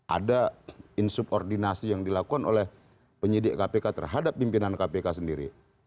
ada insubordinasi yang dilakukan oleh penyidik kpk terhadap pimpinan kpk sendiri